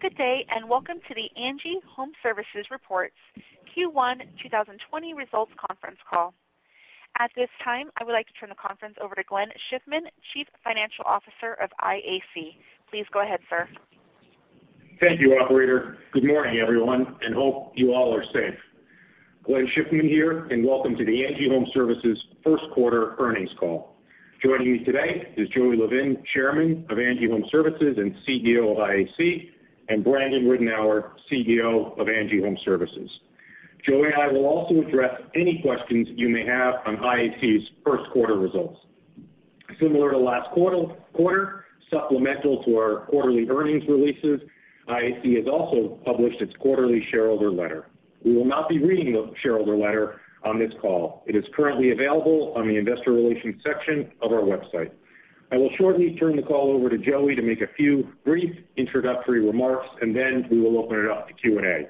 Good day, and welcome to the ANGI Homeservices reports Q1 2020 results conference call. At this time, I would like to turn the conference over to Glenn Schiffman, Chief Financial Officer of IAC. Please go ahead, sir. Thank you, operator. Good morning, everyone, and hope you all are safe. Glenn Schiffman here. Welcome to the ANGI Homeservices first quarter earnings call. Joining me today is Joey Levin, Chairman of ANGI Homeservices and CEO of IAC, and Brandon Ridenour, CEO of ANGI Homeservices. Joey and I will also address any questions you may have on IAC's first quarter results. Similar to last quarter, supplemental to our quarterly earnings releases, IAC has also published its quarterly shareholder letter. We will not be reading the shareholder letter on this call. It is currently available on the investor relations section of our website. I will shortly turn the call over to Joey to make a few brief introductory remarks. Then we will open it up to Q&A.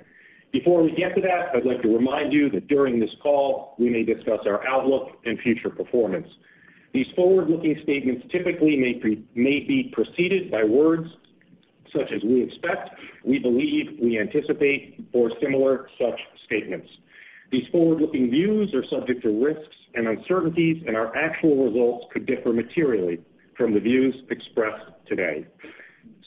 Before we get to that, I'd like to remind you that during this call, we may discuss our outlook and future performance. These forward-looking statements typically may be preceded by words such as "we expect," "we believe," "we anticipate," or similar such statements. These forward-looking views are subject to risks and uncertainties, and our actual results could differ materially from the views expressed today.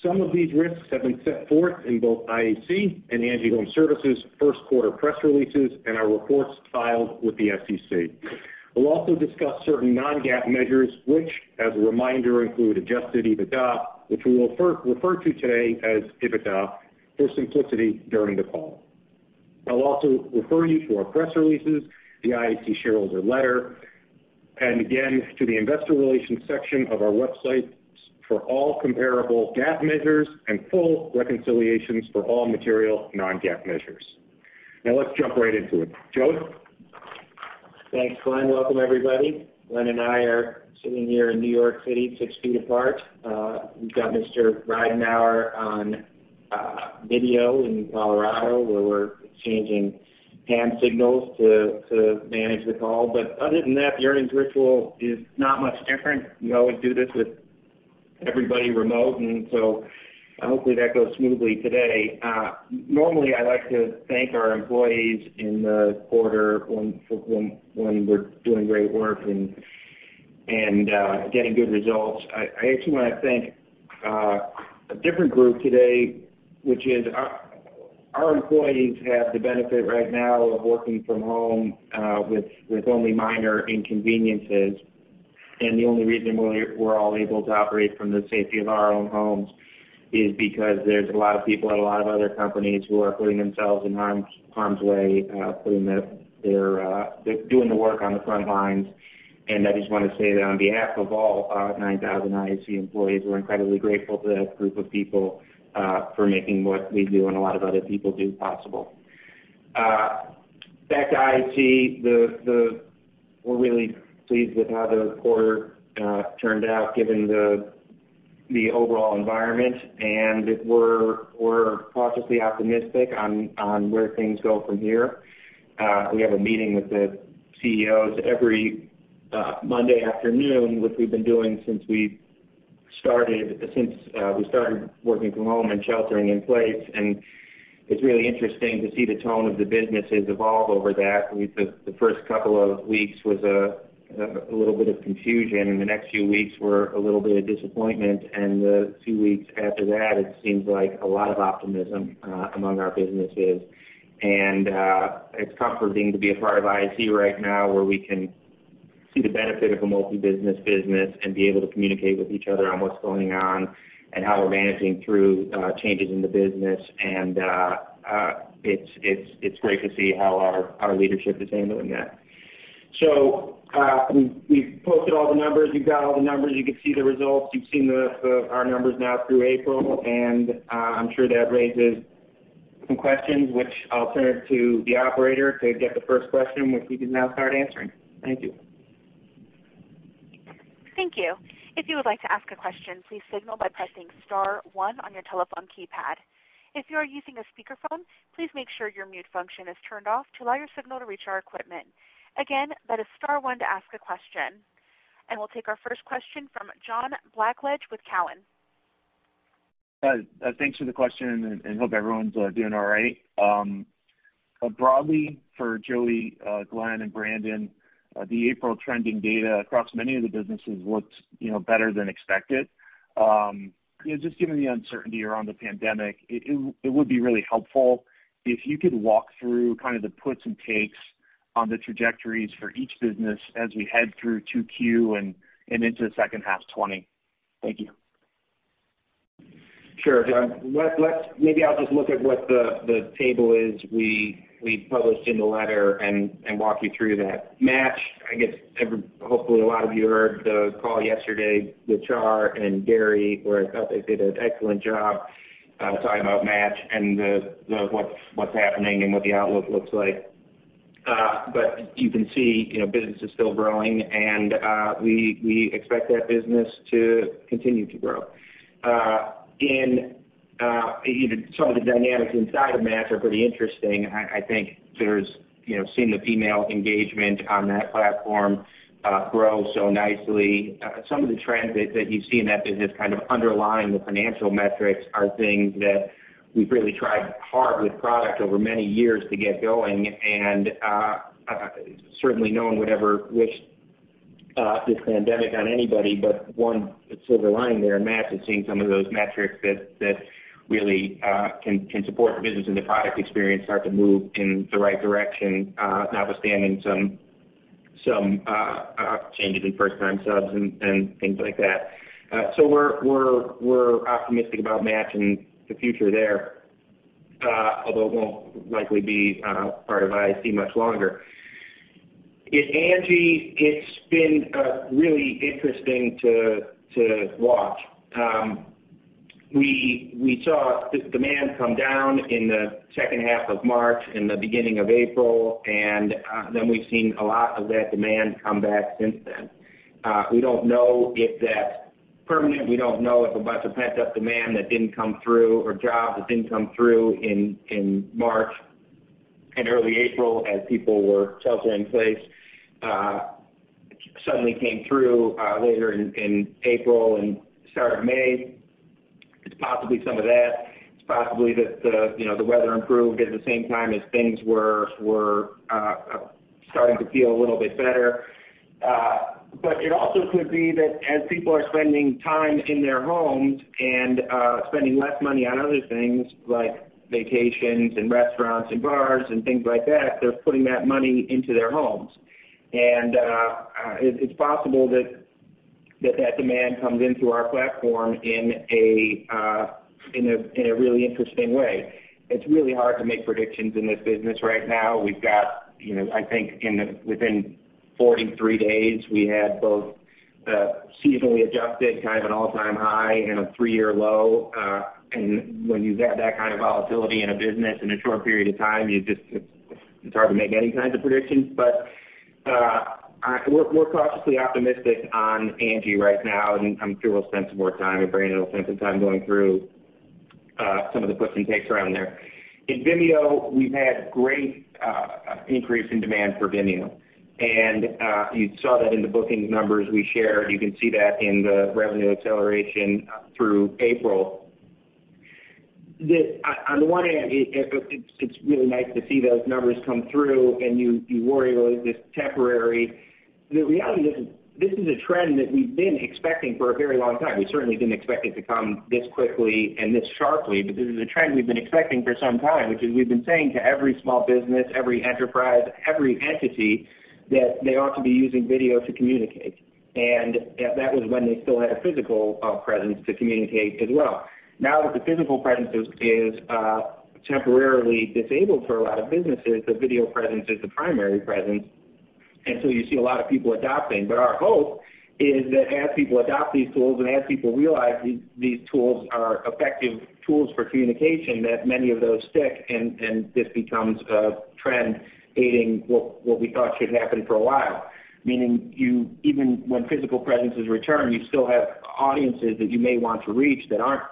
Some of these risks have been set forth in both IAC and ANGI Homeservices' first quarter press releases and our reports filed with the SEC. We'll also discuss certain non-GAAP measures, which, as a reminder, include adjusted EBITDA, which we will refer to today as EBITDA for simplicity during the call. I'll also refer you to our press releases, the IAC shareholder letter, and again, to the investor relations section of our websites for all comparable GAAP measures and full reconciliations for all material non-GAAP measures. Let's jump right into it. Joey? Thanks, Glenn. Welcome, everybody. Glenn and I are sitting here in New York City, 6 feet apart. We've got Mr. Ridenour on video in Colorado, where we're exchanging hand signals to manage the call. Other than that, the earnings ritual is not much different. We always do this with everybody remote, hopefully that goes smoothly today. Normally, I like to thank our employees in the quarter when we're doing great work and getting good results. I actually want to thank a different group today, which is our employees have the benefit right now of working from home with only minor inconveniences. The only reason we're all able to operate from the safety of our own homes is because there's a lot of people at a lot of other companies who are putting themselves in harm's way, doing the work on the front lines. I just want to say that on behalf of all 9,000 IAC employees, we're incredibly grateful to that group of people for making what we do and a lot of other people do possible. Back to IAC, we're really pleased with how the quarter turned out given the overall environment, and we're cautiously optimistic on where things go from here. We have a meeting with the CEOs every Monday afternoon, which we've been doing since we started working from home and sheltering in place, and it's really interesting to see the tone of the businesses evolve over that. The first couple of weeks was a little bit of confusion. The next few weeks were a little bit of disappointment. The few weeks after that, it seems like a lot of optimism among our businesses. It's comforting to be a part of IAC right now, where we can see the benefit of a multi-business business and be able to communicate with each other on what's going on and how we're managing through changes in the business. It's great to see how our leadership is handling that. We've posted all the numbers. You've got all the numbers. You can see the results. You've seen our numbers now through April, and I'm sure that raises some questions, which I'll turn it to the operator to get the first question, which we can now start answering. Thank you. Thank you. If you would like to ask a question, please signal by pressing star one on your telephone keypad. If you are using a speakerphone, please make sure your mute function is turned off to allow your signal to reach our equipment. Again, that is star one to ask a question. We'll take our first question from John Blackledge with Cowen. Thanks for the question and hope everyone's doing all right. Broadly, for Joey, Glenn, and Brandon, the April trending data across many of the businesses looked better than expected. Just given the uncertainty around the pandemic, it would be really helpful if you could walk through kind of the puts and takes on the trajectories for each business as we head through 2Q and into the second half 2020. Thank you. Sure, John. Maybe I'll just look at what the table is we published in the letter and walk you through that. Match, I guess hopefully a lot of you heard the call yesterday with Shar and Gary, where I thought they did an excellent job talking about Match and what's happening and what the outlook looks like. You can see business is still growing, and we expect that business to continue to grow. And some of the dynamics inside of Match are pretty interesting, I think seeing the female engagement on that platform grow so nicely. Some of the trends that you see in that business kind of underlying the financial metrics are things that we've really tried hard with product over many years to get going, and certainly no one would ever wish this pandemic on anybody, but one silver lining there in Match is seeing some of those metrics that really can support the business and the product experience start to move in the right direction, notwithstanding some changes in first-time subs and things like that. We're optimistic about Match and the future there. Although it won't likely be part of IAC much longer. In ANGI, it's been really interesting to watch. We saw demand come down in the second half of March and the beginning of April, and then we've seen a lot of that demand come back since then. We don't know if that's permanent. We don't know if a bunch of pent-up demand that didn't come through, or jobs that didn't come through in March and early April as people were sheltering in place, suddenly came through later in April and the start of May. It's possibly some of that. It's possibly that the weather improved at the same time as things were starting to feel a little bit better. It also could be that as people are spending time in their homes and spending less money on other things like vacations and restaurants and bars and things like that, they're putting that money into their homes. It's possible that that demand comes into our platform in a really interesting way. It's really hard to make predictions in this business right now. I think within 43 days, we had both the seasonally adjusted kind of an all-time high and a three year low. When you've got that kind of volatility in a business in a short period of time, it's hard to make any kinds of predictions. We're cautiously optimistic on ANGI right now, and I'm sure we'll spend some more time, and Brandon will spend some time going through some of the puts and takes around there. In Vimeo, we've had great increase in demand for Vimeo, and you saw that in the bookings numbers we shared. You can see that in the revenue acceleration through April. On the one hand, it's really nice to see those numbers come through, and you worry, well, is this temporary? The reality is this is a trend that we've been expecting for a very long time. We certainly didn't expect it to come this quickly and this sharply. This is a trend we've been expecting for some time, which is we've been saying to every small business, every enterprise, every entity, that they ought to be using video to communicate. That was when they still had a physical presence to communicate as well. Now that the physical presence is temporarily disabled for a lot of businesses, the video presence is the primary presence. You see a lot of people adopting. Our hope is that as people adopt these tools and as people realize these tools are effective tools for communication, that many of those stick and this becomes a trend aiding what we thought should happen for a while, meaning even when physical presence is returned, you still have audiences that you may want to reach that aren't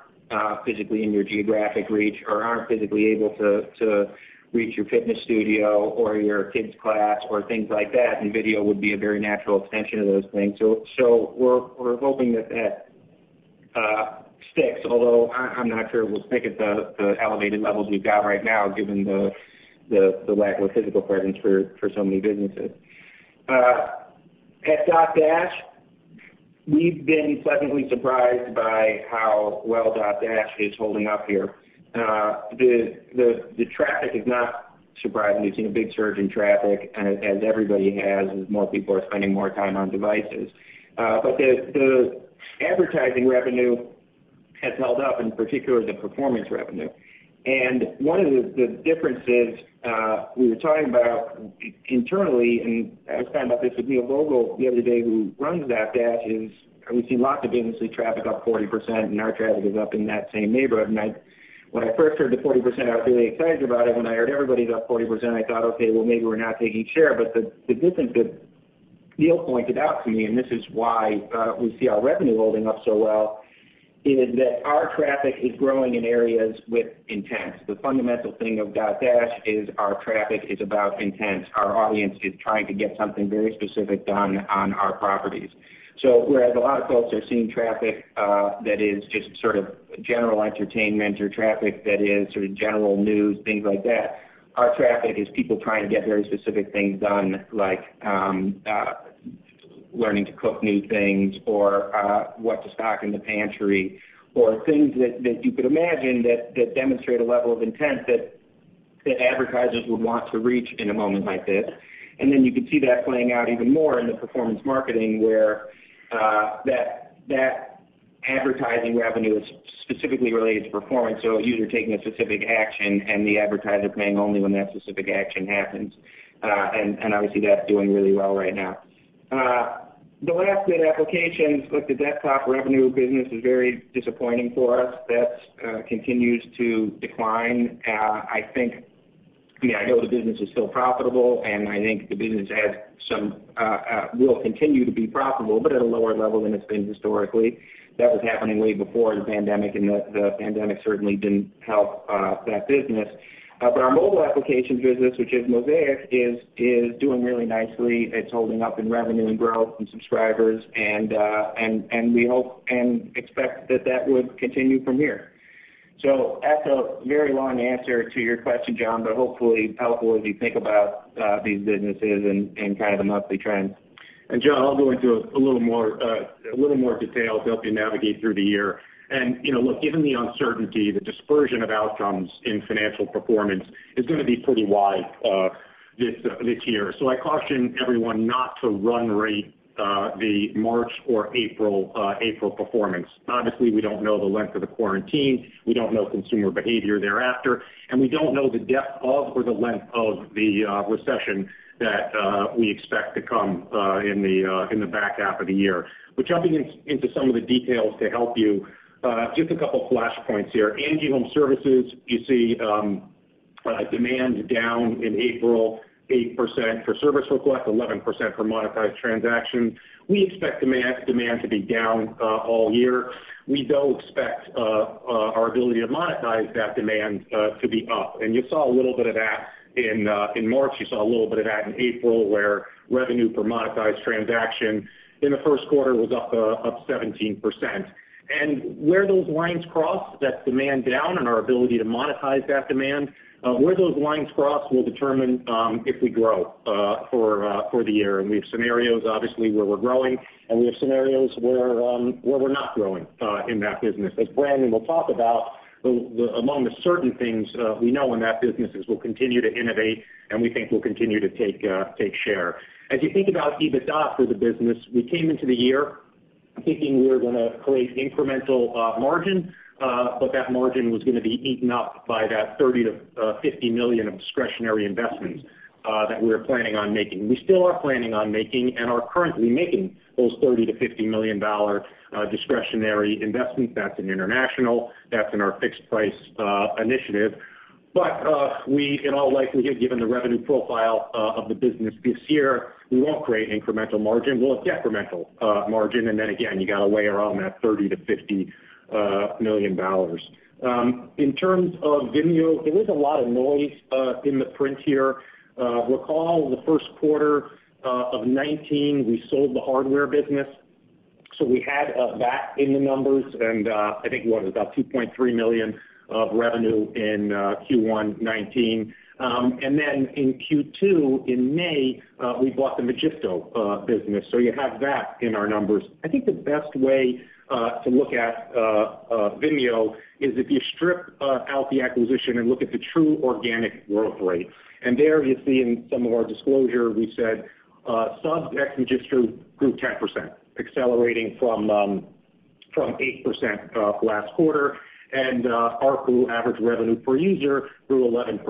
physically in your geographic reach or aren't physically able to reach your fitness studio or your kids' class or things like that, and video would be a very natural extension of those things. We're hoping that that sticks, although I'm not sure we'll stick at the elevated levels we've got right now given the lack of a physical presence for so many businesses. At Dotdash, we've been pleasantly surprised by how well Dotdash is holding up here. The traffic is not surprising. We've seen a big surge in traffic as everybody has, as more people are spending more time on devices. The advertising revenue has held up, in particular, the performance revenue. One of the differences we were talking about internally, and I was talking about this with Neil Vogel the other day, who runs Dotdash, is we've seen lots of industry traffic up 40%, and our traffic is up in that same neighborhood. When I first heard the 40%, I was really excited about it. When I heard everybody was up 40%, I thought, okay, well, maybe we're not taking share. The difference that Neil pointed out to me, and this is why we see our revenue holding up so well, is that our traffic is growing in areas with intent. The fundamental thing of Dotdash is our traffic is about intent. Our audience is trying to get something very specific done on our properties. Whereas a lot of folks are seeing traffic that is just sort of general entertainment or traffic that is sort of general news, things like that, our traffic is people trying to get very specific things done, like learning to cook new things or what to stock in the pantry or things that you could imagine that demonstrate a level of intent that advertisers would want to reach in a moment like this. You can see that playing out even more in the performance marketing where that advertising revenue is specifically related to performance, so a user taking a specific action and the advertiser paying only when that specific action happens. Obviously, that's doing really well right now. The last bit, applications like the desktop revenue business is very disappointing for us. That continues to decline. I think Yeah, I know the business is still profitable, and I think the business will continue to be profitable, but at a lower level than it's been historically. That was happening way before the pandemic, and the pandemic certainly didn't help that business. Our Mobile Applications business, which is Mosaic, is doing really nicely. It's holding up in revenue and growth and subscribers, and we hope and expect that that would continue from here. That's a very long answer to your question, John, but hopefully helpful as you think about these businesses and the monthly trends. John, I'll go into a little more detail to help you navigate through the year. Look, given the uncertainty, the dispersion of outcomes in financial performance is going to be pretty wide this year. I caution everyone not to run rate the March or April performance. Obviously, we don't know the length of the quarantine, we don't know consumer behavior thereafter, and we don't know the depth of or the length of the recession that we expect to come in the back half of the year. Jumping into some of the details to help you, just a couple of flashpoints here. ANGI Homeservices, you see demand down in April, 8% for service requests, 11% for monetized transactions. We expect demand to be down all year. We don't expect our ability to monetize that demand to be up. You saw a little bit of that in March. You saw a little bit of that in April, where revenue per monetized transaction in the first quarter was up 17%. Where those lines cross, that demand down and our ability to monetize that demand, where those lines cross will determine if we grow for the year. We have scenarios, obviously, where we're growing, and we have scenarios where we're not growing in that business. As Brandon will talk about, among the certain things we know in that business is we'll continue to innovate, and we think we'll continue to take share. As you think about EBITDA for the business, we came into the year thinking we were going to create incremental margin, but that margin was going to be eaten up by that $30 million-$50 million of discretionary investments that we were planning on making. We still are planning on making and are currently making those $30 million-$50 million discretionary investments. That's in international, that's in our fixed price initiative. We, in all likelihood, given the revenue profile of the business this year, we won't create incremental margin. We'll have decremental margin, and then again, you got to layer on that $30 million-$50 million. In terms of Vimeo, there is a lot of noise in the print here. Recall the first quarter of 2019, we sold the Hardware business. We had that in the numbers and I think it was about $2.3 million of revenue in Q1 2019. In Q2, in May, we bought the Magisto business, so you have that in our numbers. I think the best way to look at Vimeo is if you strip out the acquisition and look at the true organic growth rate. There you see in some of our disclosure, we said subs ex Magisto grew 10%, accelerating from 8% last quarter, and ARPU, average revenue per user, grew 11%.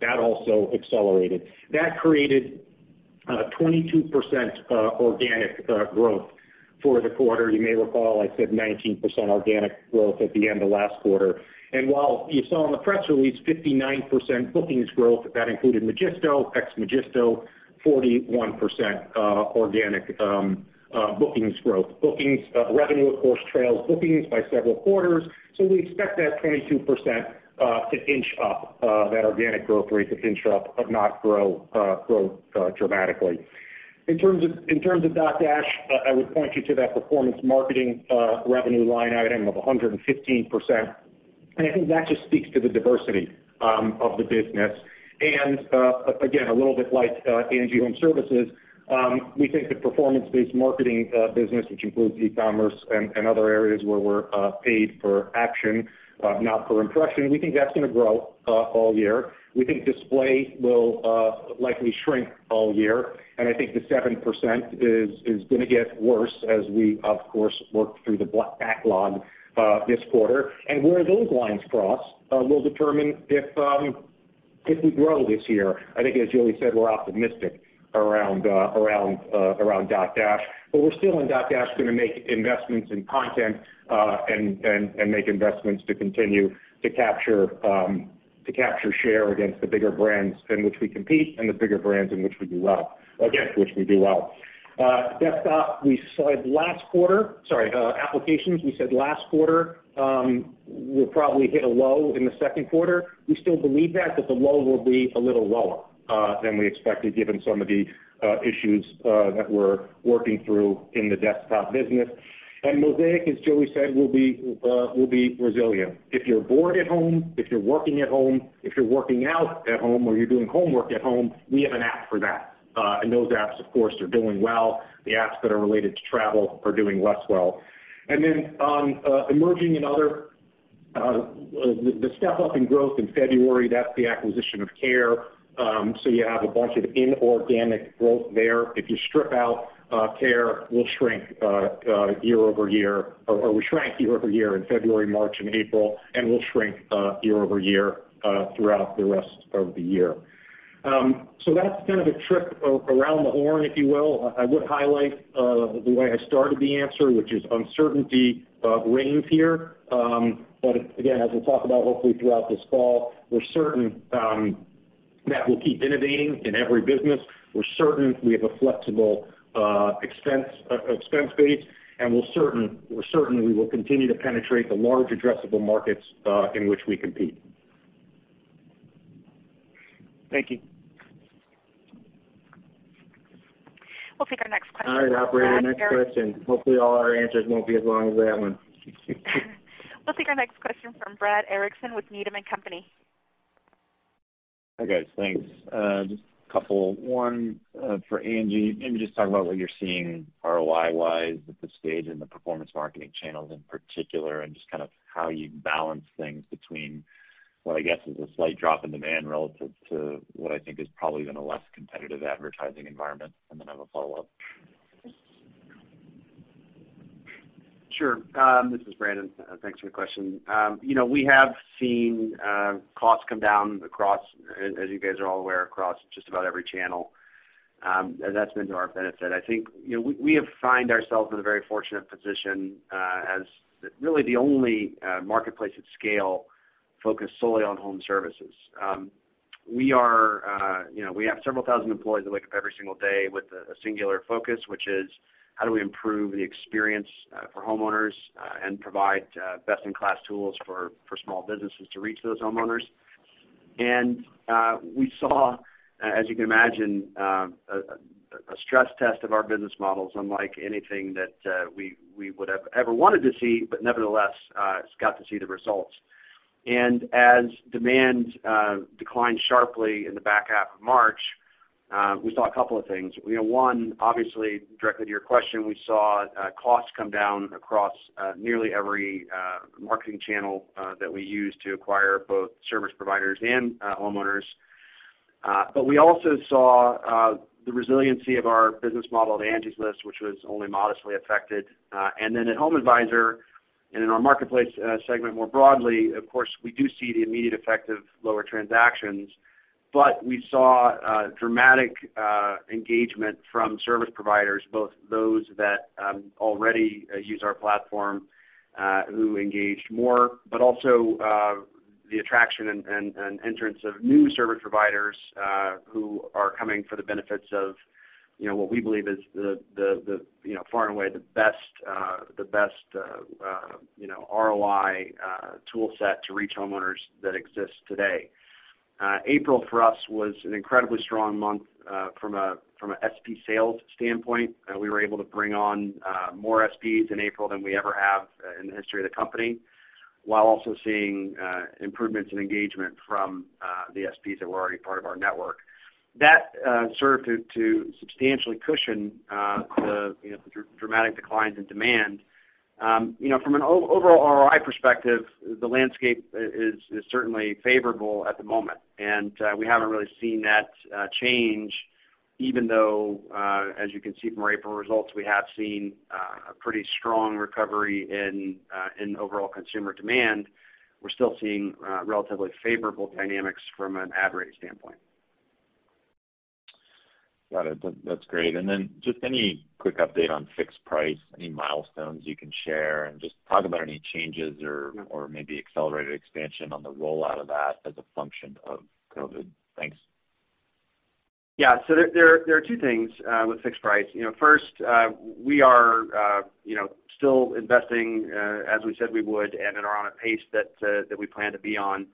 That also accelerated. That created 22% organic growth for the quarter. You may recall I said 19% organic growth at the end of last quarter. While you saw in the press release 59% bookings growth, that included Magisto, ex Magisto, 41% organic bookings growth. Revenue, of course, trails bookings by several quarters. We expect that 22% to inch up, that organic growth rate to inch up, but not grow dramatically. In terms of Dotdash, I would point you to that performance marketing revenue line item of 115%. I think that just speaks to the diversity of the business. Again, a little bit like ANGI Homeservices, we think the performance-based marketing business, which includes e-commerce and other areas where we're paid per action, not per impression, we think that's going to grow all year. We think display will likely shrink all year, and I think the 7% is going to get worse as we, of course, work through the backlog this quarter. Where those lines cross will determine if we grow this year. I think as Joey said, we're optimistic around Dotdash. We're still, in Dotdash, going to make investments in content and make investments to continue to capture share against the bigger brands in which we compete and the bigger brands against which we do well. Applications, we said last quarter, we'll probably hit a low in the second quarter. We still believe that, but the low will be a little lower than we expected given some of the issues that we're working through in the Desktop business. Mosaic, as Joey said, will be resilient. If you're bored at home, if you're working at home, if you're working out at home or you're doing homework at home, we have an app for that. Those apps, of course, are doing well. The apps that are related to travel are doing less well. On emerging and other, the step-up in growth in February, that's the acquisition of Care. You have a bunch of inorganic growth there. If you strip out Care, we'll shrink year-over-year, or we shrank year-over-year in February, March, and April, and we'll shrink year-over-year throughout the rest of the year. That's kind of a trip around the horn, if you will. I would highlight the way I started the answer, which is uncertainty reigns here. Again, as we'll talk about hopefully throughout this call, we're certain that we'll keep innovating in every business. We're certain we have a flexible expense base, and we're certain we will continue to penetrate the large addressable markets in which we compete. Thank you. We'll take our next question from Brad. All right, operator. Next question. Hopefully all our answers won't be as long as that one. We'll take our next question from Brad Erickson with Needham & Company. Hi, guys. Thanks. Just a couple. One for ANGI. ANGI, just talk about what you're seeing ROI-wise at this stage in the performance marketing channels in particular, just how you balance things between what I guess is a slight drop in demand relative to what I think is probably been a less competitive advertising environment. I have a follow-up. Sure. This is Brandon. Thanks for your question. We have seen costs come down, as you guys are all aware, across just about every channel. That's been to our benefit. I think we have find ourselves in a very fortunate position as really the only marketplace at scale focused solely on home services. We have several thousand employees that wake up every single day with a singular focus, which is: how do we improve the experience for homeowners and provide best-in-class tools for small businesses to reach those homeowners? We saw, as you can imagine, a stress test of our business models, unlike anything that we would have ever wanted to see, but nevertheless, got to see the results. As demand declined sharply in the back half of March, we saw a couple of things. One, obviously, directly to your question, we saw costs come down across nearly every marketing channel that we use to acquire both service providers and homeowners. We also saw the resiliency of our business model at Angie's List, which was only modestly affected. At HomeAdvisor and in our Marketplace segment more broadly, of course, we do see the immediate effect of lower transactions. We saw dramatic engagement from service providers, both those that already use our platform who engaged more, but also the attraction and entrance of new service providers who are coming for the benefits of what we believe is far and away the best ROI tool set to reach homeowners that exists today. April for us was an incredibly strong month from a SP sales standpoint. We were able to bring on more SPs in April than we ever have in the history of the company, while also seeing improvements in engagement from the SPs that were already part of our network. That served to substantially cushion the dramatic declines in demand. From an overall ROI perspective, the landscape is certainly favorable at the moment, and we haven't really seen that change, even though, as you can see from our April results, we have seen a pretty strong recovery in overall consumer demand. We're still seeing relatively favorable dynamics from an ad rate standpoint. Got it. That's great. Just any quick update on fixed price, any milestones you can share, and just talk about any changes or maybe accelerated expansion on the rollout of that as a function of COVID. Thanks. Yeah. There are two things with fixed price. First, we are still investing as we said we would, and are on a pace that we plan to be on.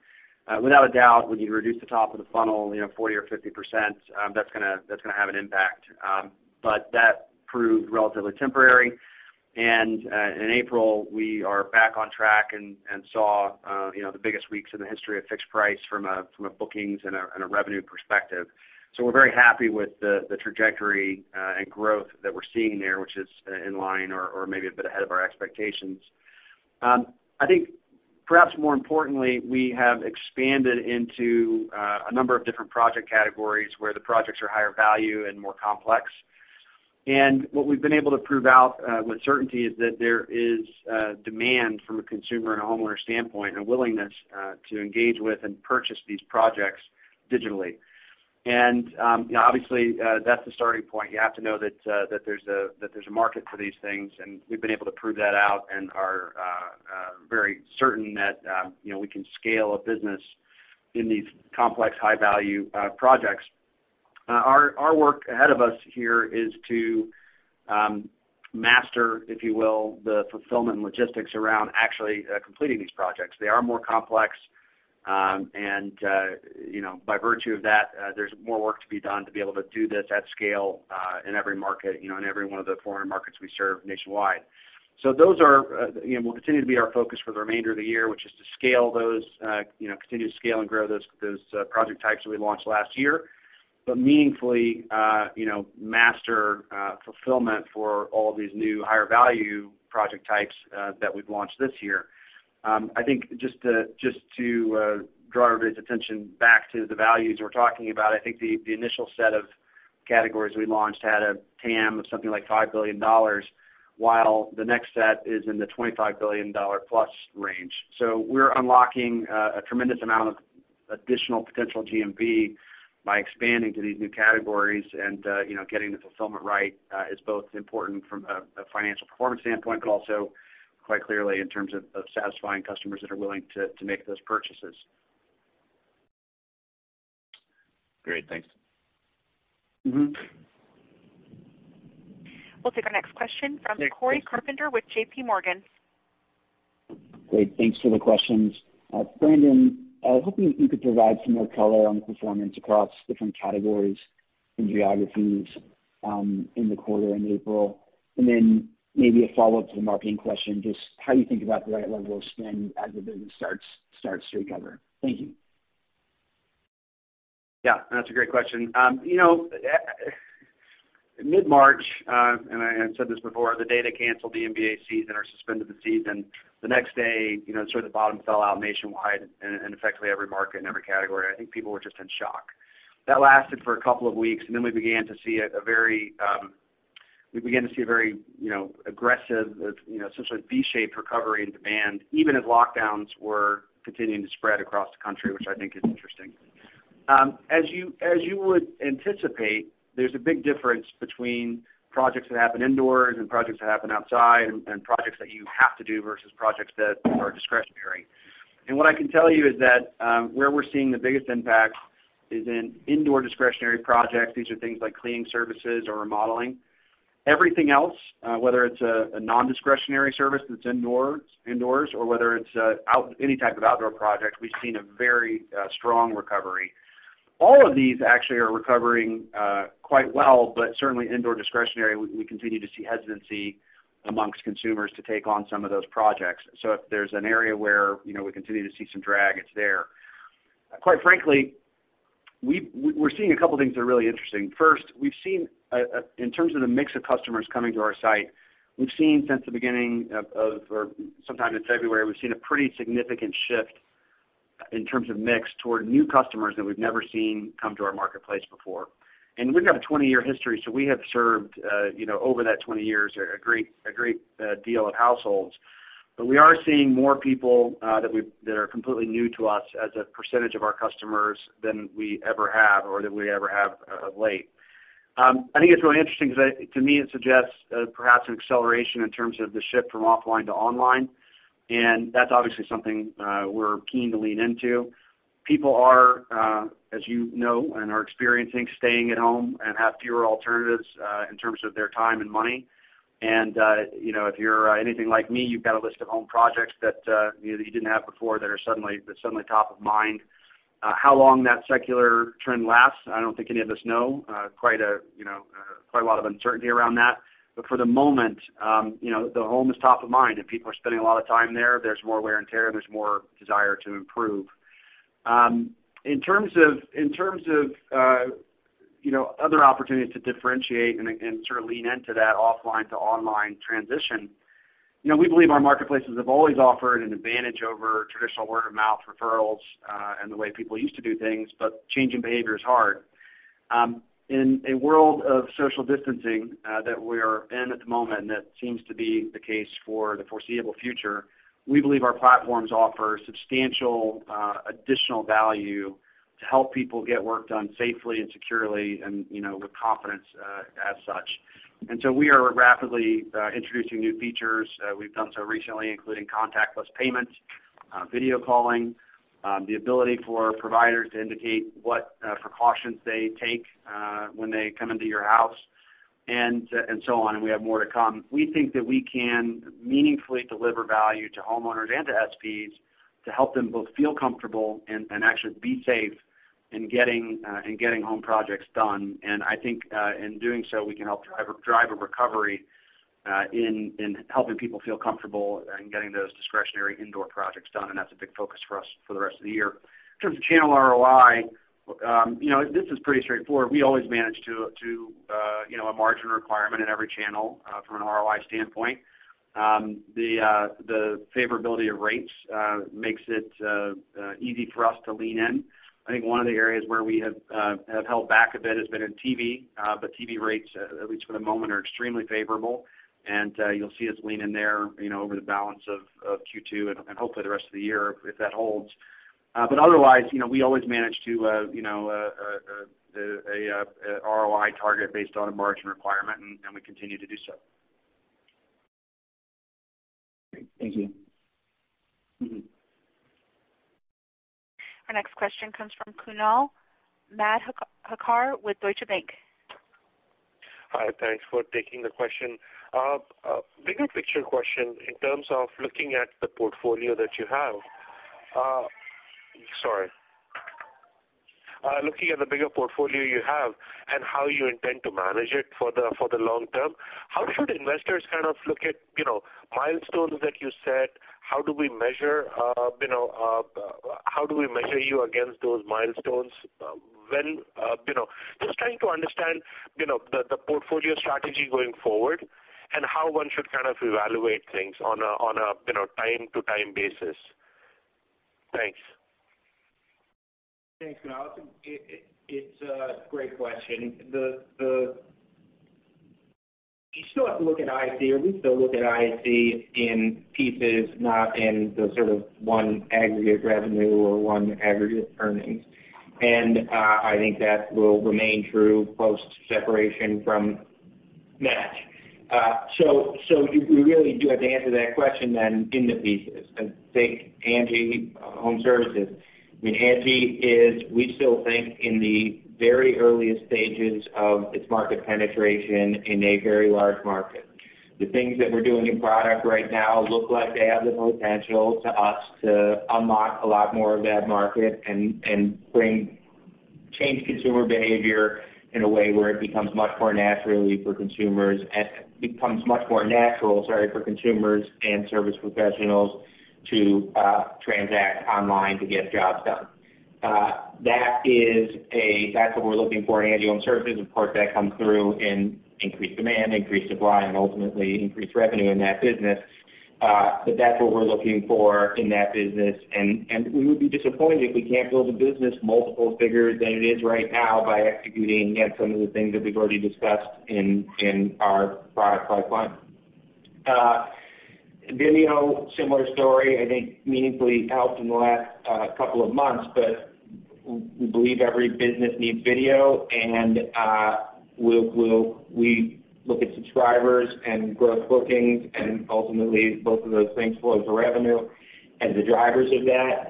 Without a doubt, when you reduce the top of the funnel 40% or 50%, that's going to have an impact. That proved relatively temporary. In April, we are back on track and saw the biggest weeks in the history of fixed price from a bookings and a revenue perspective. We're very happy with the trajectory and growth that we're seeing there, which is in line or maybe a bit ahead of our expectations. I think perhaps more importantly, we have expanded into a number of different project categories where the projects are higher value and more complex. What we've been able to prove out with certainty is that there is demand from a consumer and a homeowner standpoint, and a willingness to engage with and purchase these projects digitally. Obviously, that's the starting point. You have to know that there's a market for these things, and we've been able to prove that out and are very certain that we can scale a business in these complex, high-value projects. Our work ahead of us here is to master, if you will, the fulfillment and logistics around actually completing these projects. They are more complex. By virtue of that, there's more work to be done to be able to do this at scale in every one of the 400 markets we serve nationwide. Those will continue to be our focus for the remainder of the year, which is to continue to scale and grow those project types that we launched last year, but meaningfully master fulfillment for all of these new higher-value project types that we've launched this year. I think just to draw everybody's attention back to the values we're talking about, I think the initial set of categories we launched had a TAM of something like $5 billion, while the next set is in the $25 billion+ range. We're unlocking a tremendous amount of additional potential GMV by expanding to these new categories and getting the fulfillment right is both important from a financial performance standpoint, but also quite clearly in terms of satisfying customers that are willing to make those purchases. Great. Thanks. We'll take our next question from Cory Carpenter with JPMorgan. Great. Thanks for the questions. Brandon, hoping you could provide some more color on the performance across different categories and geographies in the quarter in April. Maybe a follow-up to the marketing question, just how you think about the right level of spend as the business starts to recover. Thank you. Yeah, that's a great question. Mid-March, and I said this before, the day they canceled the NBA season or suspended the season, the next day, sort of the bottom fell out nationwide and effectively every market and every category. I think people were just in shock. That lasted for a couple of weeks, and then we began to see a very aggressive, essentially V-shaped recovery in demand, even as lockdowns were continuing to spread across the country, which I think is interesting. As you would anticipate, there's a big difference between projects that happen indoors and projects that happen outside, and projects that you have to do versus projects that are discretionary. What I can tell you is that where we're seeing the biggest impact is in indoor discretionary projects. These are things like cleaning services or remodeling. Everything else, whether it's a non-discretionary service that's indoors or whether it's any type of outdoor project, we've seen a very strong recovery. All of these actually are recovering quite well, but certainly indoor discretionary, we continue to see hesitancy amongst consumers to take on some of those projects. If there's an area where we continue to see some drag, it's there. Quite frankly, we're seeing a couple of things that are really interesting. First, in terms of the mix of customers coming to our site, we've seen since the beginning of, or sometime in February, we've seen a pretty significant shift in terms of mix toward new customers that we've never seen come to our marketplace before. We've got a 20 year history, so we have served over that 20 years, a great deal of households. We are seeing more people that are completely new to us as a percentage of our customers than we ever have or that we ever have of late. I think it's really interesting because to me, it suggests perhaps an acceleration in terms of the shift from offline to online, and that's obviously something we're keen to lean into. People are, as you know, and are experiencing staying at home and have fewer alternatives in terms of their time and money. If you're anything like me, you've got a list of home projects that you didn't have before that are suddenly top of mind. How long that secular trend lasts, I don't think any of us know. Quite a lot of uncertainty around that. For the moment, the home is top of mind, and people are spending a lot of time there. There's more wear and tear, and there's more desire to improve. In terms of other opportunities to differentiate and sort of lean into that offline to online transition, we believe our marketplaces have always offered an advantage over traditional word-of-mouth referrals and the way people used to do things, but changing behavior is hard. In a world of social distancing that we're in at the moment, and that seems to be the case for the foreseeable future, we believe our platforms offer substantial additional value to help people get work done safely and securely and with confidence as such. We are rapidly introducing new features. We've done so recently, including contactless payment, video calling, the ability for providers to indicate what precautions they take when they come into your house, and so on, and we have more to come. We think that we can meaningfully deliver value to homeowners and to SPs to help them both feel comfortable and actually be safe in getting home projects done. I think in doing so, we can help drive a recovery in helping people feel comfortable in getting those discretionary indoor projects done, and that's a big focus for us for the rest of the year. In terms of channel ROI, this is pretty straightforward. We always manage to a margin requirement in every channel from an ROI standpoint. The favorability of rates makes it easy for us to lean in. I think one of the areas where we have held back a bit has been in TV, but TV rates, at least for the moment, are extremely favorable, and you'll see us lean in there over the balance of Q2 and hopefully the rest of the year if that holds. Otherwise, we always manage to a ROI target based on a margin requirement, and we continue to do so. Great. Thank you. Our next question comes from Kunal Madhukar with Deutsche Bank. Hi, thanks for taking the question. A bigger picture question in terms of looking at the portfolio that you have. Sorry. Looking at the bigger portfolio you have and how you intend to manage it for the long term, how should investors kind of look at milestones that you set? How do we measure you against those milestones? Just trying to understand the portfolio strategy going forward and how one should kind of evaluate things on a time to time basis. Thanks. Thanks, Kunal. It's a great question. You still have to look at IAC, or we still look at IAC in pieces, not in the sort of one aggregate revenue or one aggregate earnings. I think that will remain true post-separation from Match. We really do have to answer that question then in the pieces and think ANGI Homeservices. ANGI is, we still think, in the very earliest stages of its market penetration in a very large market. The things that we're doing in product right now look like they have the potential to us to unlock a lot more of that market and change consumer behavior in a way where it becomes much more naturally for consumers and service professionals to transact online to get jobs done. That's what we're looking for in ANGI Homeservices. Of course, that comes through in increased demand, increased supply, and ultimately increased revenue in that business. That's what we're looking for in that business, and we would be disappointed if we can't build a business multiple figures than it is right now by executing against some of the things that we've already discussed in our product pipeline. Vimeo, similar story, I think meaningfully helped in the last couple of months. We believe every business needs video, and we look at subscribers and gross bookings and ultimately both of those things flow to revenue as the drivers of that.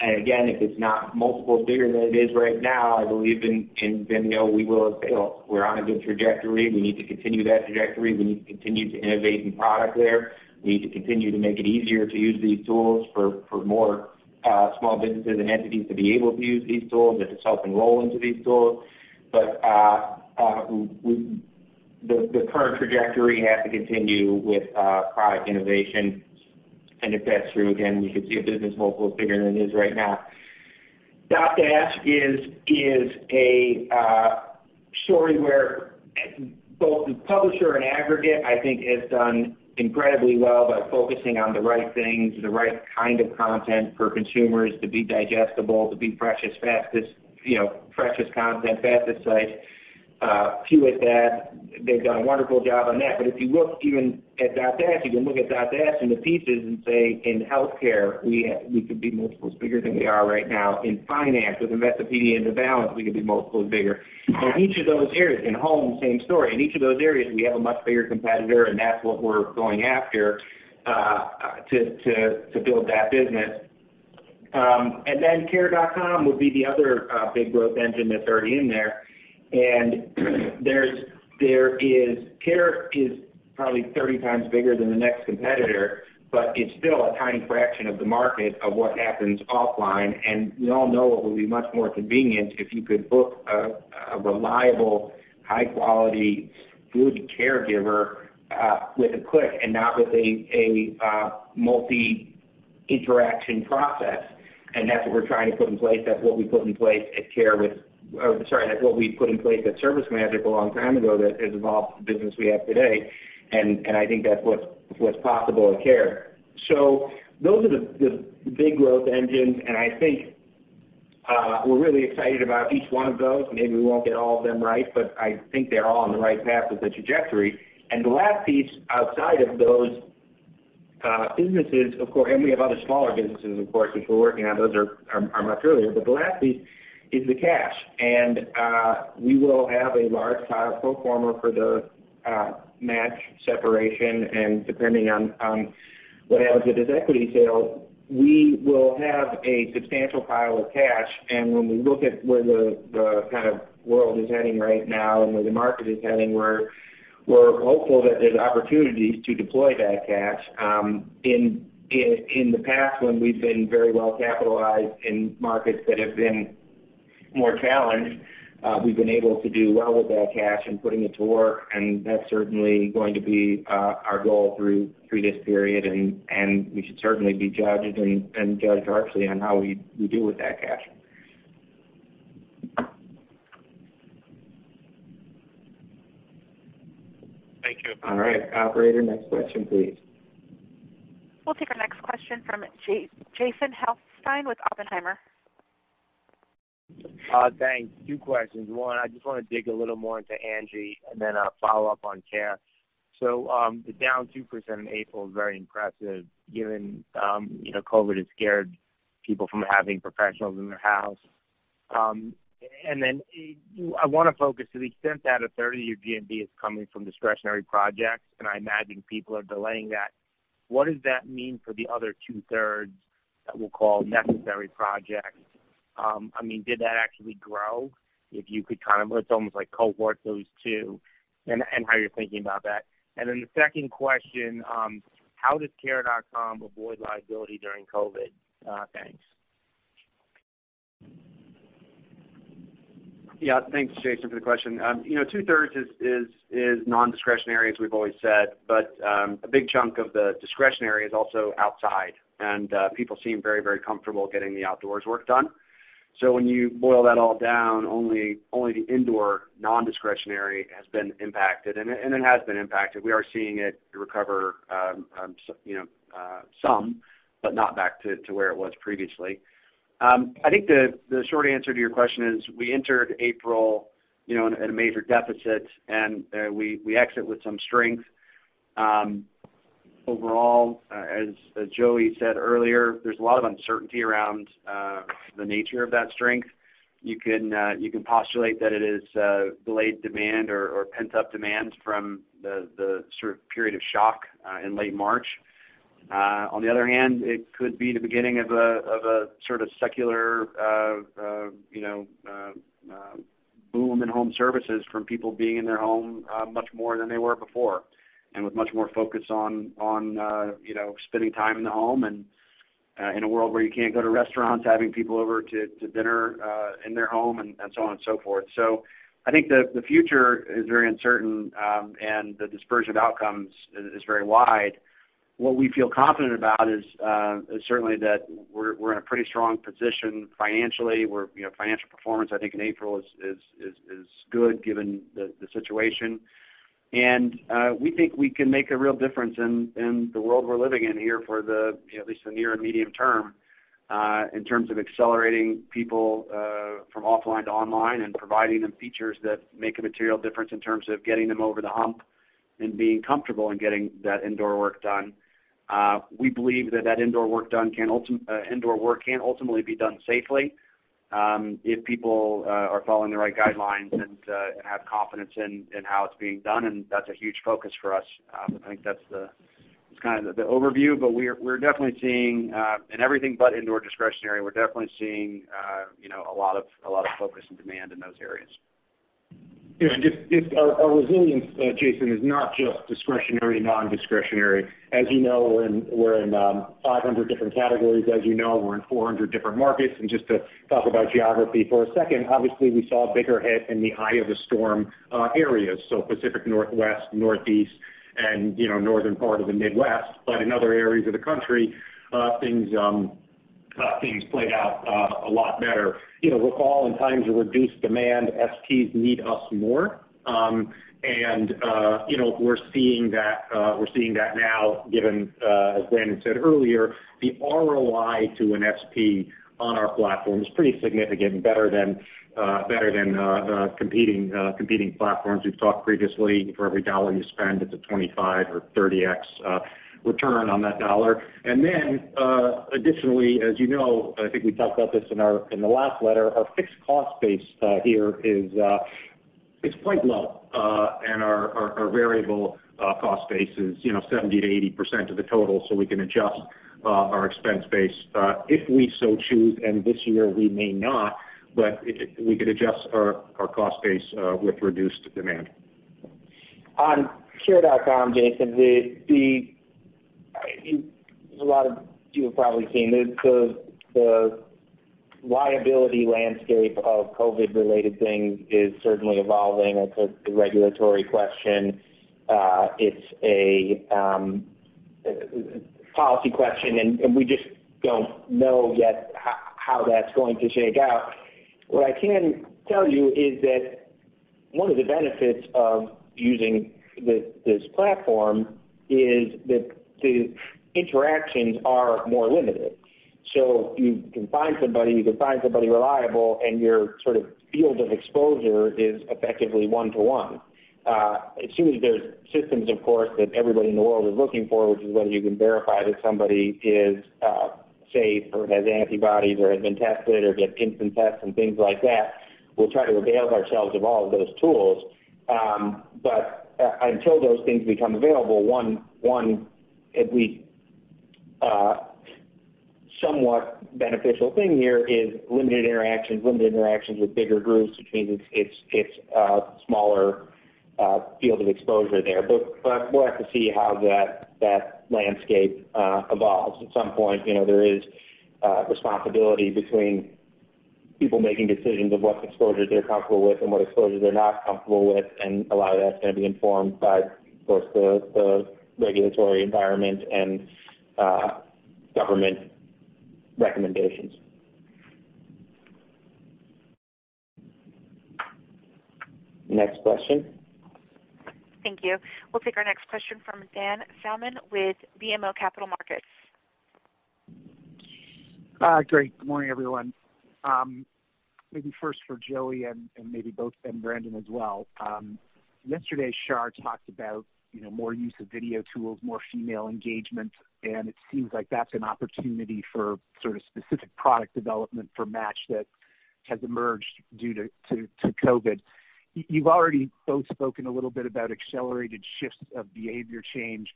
Again, if it's not multiple bigger than it is right now, I believe in video, we will have failed. We're on a good trajectory. We need to continue that trajectory. We need to continue to innovate new product there. We need to continue to make it easier to use these tools for more small businesses and entities to be able to use these tools or to self-enroll into these tools. The current trajectory has to continue with product innovation, and if that's true, again, we could see a business multiple bigger than it is right now. Dotdash is a story where both the publisher and aggregate, I think, has done incredibly well by focusing on the right things, the right kind of content for consumers to be digestible, to be freshest content, fastest site, fewest ads. they've done a wonderful job on that. If you look even at Dotdash, you can look at Dotdash into pieces and say in healthcare, we could be multiples bigger than we are right now. In finance with Investopedia and The Balance, we could be multiples bigger. In each of those areas, in home, same story. In each of those areas, we have a much bigger competitor, and that's what we're going after to build that business. Care.com would be the other big growth engine that's already in there. Care is probably 30 times bigger than the next competitor, but it's still a tiny fraction of the market of what happens offline. We all know it will be much more convenient if you could book a reliable, high-quality, good caregiver with a click and not with a multi-interaction process. That's what we're trying to put in place. That's what we put in place at ServiceMagic a long time ago that has evolved to the business we have today, and I think that's what's possible at Care. Those are the big growth engines, and I think we're really excited about each one of those. Maybe we won't get all of them right, but I think they're all on the right path with the trajectory. The last piece outside of those businesses, and we have other smaller businesses, of course, which we're working on. Those are much earlier. The last piece is the cash, and we will have a large pile of pro forma for the Match separation, and depending on what happens with this equity sale, we will have a substantial pile of cash. When we look at where the kind of world is heading right now and where the market is heading, we're hopeful that there's opportunities to deploy that cash. In the past, when we've been very well capitalized in markets that have been more challenged, we've been able to do well with that cash and putting it to work. That's certainly going to be our goal through this period. We should certainly be judged and judged harshly on how we do with that cash. Thank you. All right. Operator, next question, please. We'll take our next question from Jason Helfstein with Oppenheimer. Thanks. Two questions. One, I just want to dig a little more into ANGI and then a follow-up on Care.com. The down 2% in April is very impressive given COVID has scared people from having professionals in their house. I want to focus to the extent that a third of your GMV is coming from discretionary projects, and I imagine people are delaying that. What does that mean for the other two-thirds that we'll call necessary projects? Did that actually grow? If you could kind of almost like cohort those two and how you're thinking about that. The second question, how does Care.com avoid liability during COVID? Thanks. Yeah. Thanks, Jason, for the question. Two-thirds is non-discretionary, as we've always said, but a big chunk of the discretionary is also outside, and people seem very, very comfortable getting the outdoors work done. When you boil that all down, only the indoor non-discretionary has been impacted. It has been impacted. We are seeing it recover some, but not back to where it was previously. I think the short answer to your question is, we entered April in a major deficit, and we exit with some strength. Overall, as Joey said earlier, there's a lot of uncertainty around the nature of that strength. You can postulate that it is delayed demand or pent-up demand from the sort of period of shock in late March. On the other hand, it could be the beginning of a sort of secular boom in home services from people being in their home much more than they were before, and with much more focus on spending time in the home and in a world where you can't go to restaurants, having people over to dinner in their home, and so on and so forth. I think the future is very uncertain, and the dispersion of outcomes is very wide. What we feel confident about is certainly that we're in a pretty strong position financially. Financial performance, I think in April is good given the situation. We think we can make a real difference in the world we're living in here for at least the near and medium term, in terms of accelerating people from offline to online and providing them features that make a material difference in terms of getting them over the hump and being comfortable in getting that indoor work done. We believe that that indoor work can ultimately be done safely, if people are following the right guidelines and have confidence in how it's being done. That's a huge focus for us. I think that's the overview, but in everything but indoor discretionary, we're definitely seeing a lot of focus and demand in those areas. Yeah. Our resilience, Jason, is not just discretionary, non-discretionary. As you know, we're in 500 different categories. As you know, we're in 400 different markets. Just to talk about geography for a second, obviously, we saw a bigger hit in the eye of the storm areas, so Pacific Northwest, Northeast, and northern part of the Midwest. In other areas of the country things played out a lot better. Recall in times of reduced demand, SPs need us more. We're seeing that now given, as Brandon said earlier, the ROI to an SP on our platform is pretty significant and better than competing platforms. We've talked previously, for every dollar you spend, it's a 25 or 30x return on that dollar. Additionally, as you know, I think we talked about this in the last letter, our fixed cost base here is quite low. Our variable cost base is 70%-80% of the total, so we can adjust our expense base if we so choose. This year we may not, but we could adjust our cost base with reduced demand. On Care.com, Jason, a lot of you have probably seen this, the liability landscape of COVID-related things is certainly evolving. It's a regulatory question. It's a policy question, and we just don't know yet how that's going to shake out. What I can tell you is that one of the benefits of using this platform is that the interactions are more limited. You can find somebody reliable and your field of exposure is effectively one to one. As soon as there's systems, of course, that everybody in the world is looking for, which is whether you can verify that somebody is safe or has antibodies or has been tested or get instant tests and things like that, we'll try to avail ourselves of all of those tools. Until those things become available, one somewhat beneficial thing here is limited interactions with bigger groups, which means it's a smaller field of exposure there. We'll have to see how that landscape evolves. At some point, there is responsibility between people making decisions of what exposure they're comfortable with and what exposure they're not comfortable with, and a lot of that's going to be informed by both the regulatory environment and government recommendations. Next question. Thank you. We'll take our next question from Dan Salmon with BMO Capital Markets. Great. Good morning, everyone. Maybe first for Joey and maybe both, and Brandon as well. Yesterday, Shar talked about more use of video tools, more female engagement, it seems like that's an opportunity for sort of specific product development for Match that has emerged due to COVID. You've already both spoken a little bit about accelerated shifts of behavior change,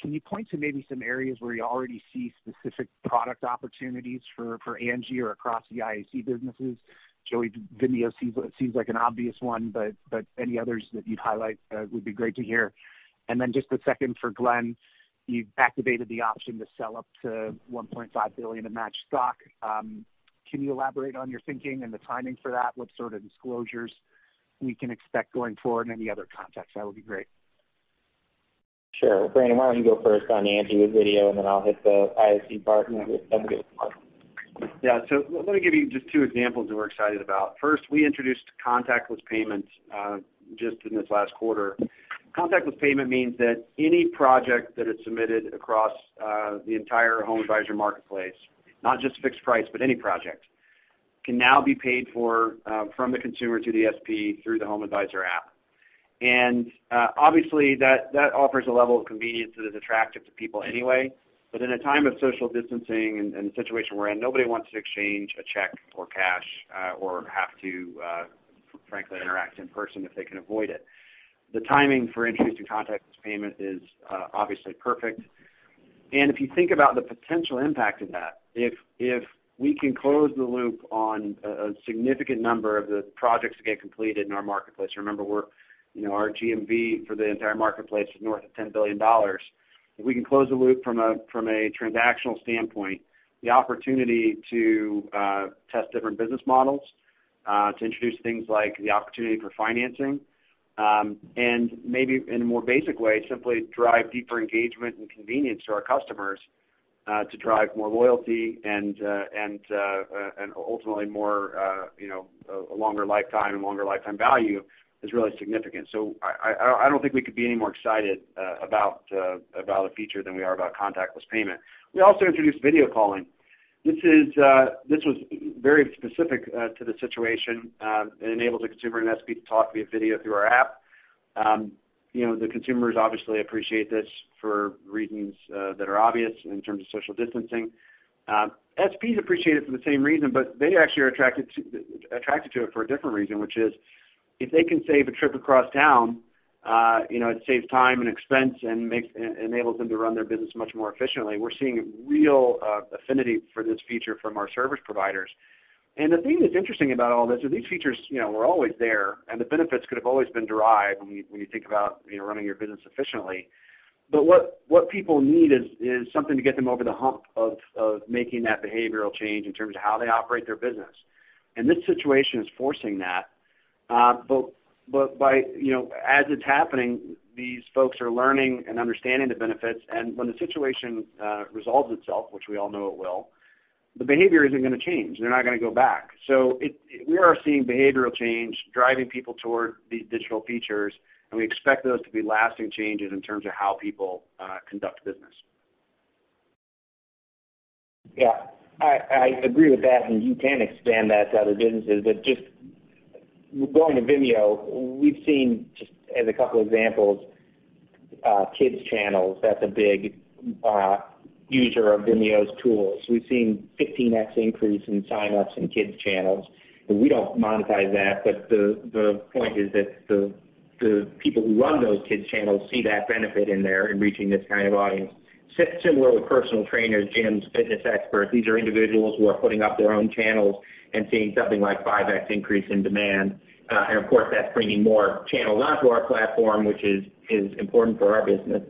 can you point to maybe some areas where you already see specific product opportunities for ANGI or across the IAC businesses? Joey, Vimeo seems like an obvious one, any others that you'd highlight would be great to hear. Just a second for Glenn, you've activated the option to sell up to $1.5 billion of Match stock. Can you elaborate on your thinking and the timing for that? What sort of disclosures we can expect going forward and any other context? That would be great. Sure. Brandon, why don't you go first on the ANGI with video, then I'll hit the IAC part, then we'll get some questions. Yeah. Let me give you just two examples that we're excited about. First, we introduced contactless payments, just in this last quarter. Contactless payment means that any project that is submitted across the entire HomeAdvisor marketplace, not just fixed price, but any project, can now be paid for from the consumer to the SP through the HomeAdvisor app. Obviously that offers a level of convenience that is attractive to people anyway. In a time of social distancing and the situation we're in, nobody wants to exchange a check or cash, or have to, frankly, interact in person if they can avoid it. The timing for introducing contactless payment is obviously perfect. If you think about the potential impact of that, if we can close the loop on a significant number of the projects that get completed in our marketplace, remember our GMV for the entire marketplace is north of $10 billion. If we can close the loop from a transactional standpoint, the opportunity to test different business models, to introduce things like the opportunity for financing, and maybe in a more basic way, simply drive deeper engagement and convenience to our customers, to drive more loyalty and ultimately a longer lifetime and longer lifetime value is really significant. I don't think we could be any more excited about a feature than we are about contactless payment. We also introduced video calling. This was very specific to the situation. It enables a consumer and SP to talk via video through our app. The consumers obviously appreciate this for reasons that are obvious in terms of social distancing. SPs appreciate it for the same reason, they actually are attracted to it for a different reason, which is, if they can save a trip across town, it saves time and expense, and enables them to run their business much more efficiently. We're seeing a real affinity for this feature from our service providers. The thing that's interesting about all this is these features were always there, and the benefits could have always been derived when you think about running your business efficiently. What people need is something to get them over the hump of making that behavioral change in terms of how they operate their business. This situation is forcing that. As it's happening, these folks are learning and understanding the benefits, and when the situation resolves itself, which we all know it will, the behavior isn't going to change. They're not going to go back. We are seeing behavioral change, driving people toward these digital features, and we expect those to be lasting changes in terms of how people conduct business. Yeah. I agree with that, and you can expand that to other businesses. Just going to Vimeo, we've seen just as a couple examples, kids channels. That's a big user of Vimeo's tools. We've seen 15x increase in sign-ups in kids channels. We don't monetize that, but the point is that the people who run those kids channels see that benefit in there in reaching this kind of audience. Similar with personal trainers, gyms, fitness experts. These are individuals who are putting up their own channels and seeing something like 5x increase in demand. Of course, that's bringing more channels onto our platform, which is important for our business.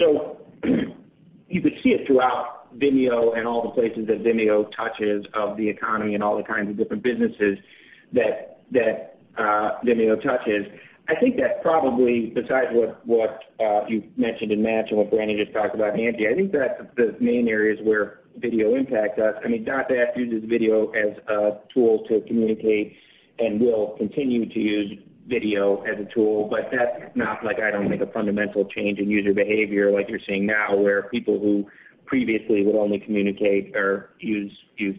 You could see it throughout Vimeo and all the places that Vimeo touches of the economy and all the kinds of different businesses that Vimeo touches. I think that probably, besides what you mentioned in Match and what Brandon just talked about in ANGI, I think that's the main areas where video impacts us. Dotdash uses video as a tool to communicate and will continue to use video as a tool, but that's not like I don't make a fundamental change in user behavior like you're seeing now, where people who previously would only communicate or use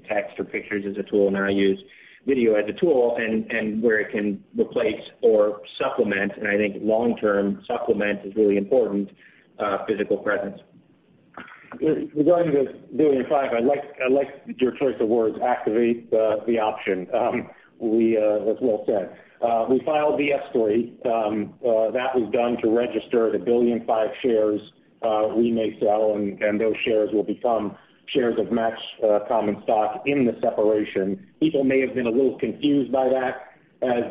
text or pictures as a tool now use video as a tool, and where it can replace or supplement, and I think long-term supplement is really important, physical presence. Regarding the $1.5 billion, I like your choice of words, activate the option. As Will said, we filed the S-3. That was done to register the $1.5 billion shares we may sell, and those shares will become shares of Match common stock in the separation. People may have been a little confused by that, as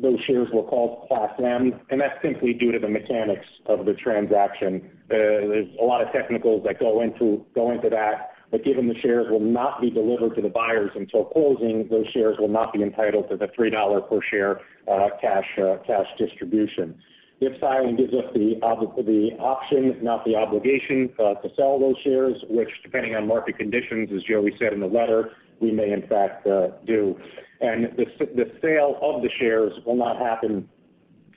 those shares were called Class M, and that's simply due to the mechanics of the transaction. There's a lot of technicals that go into that. Given the shares will not be delivered to the buyers until closing, those shares will not be entitled to the $3 per share cash distribution. This filing gives us the option, not the obligation, to sell those shares, which depending on market conditions, as Joey said in the letter, we may in fact do. The sale of the shares will not happen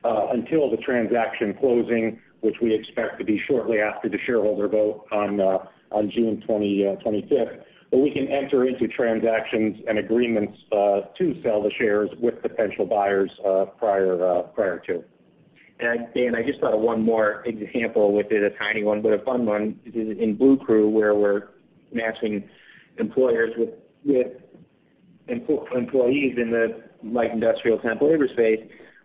until the transaction closing, which we expect to be shortly after the shareholder vote on June 25th. We can enter into transactions and agreements to sell the shares with potential buyers prior to. Dan, I just thought of one more example with it, a tiny one, but a fun one, in Bluecrew, where we're matching employers with employees in the light industrial temp labor space.